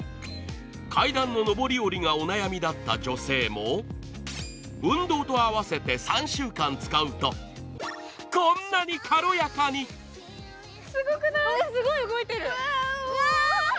階段の上り下りがお悩みだった女性も運動と合わせて３週間使うと、こんなに軽やかにすごい動いてる。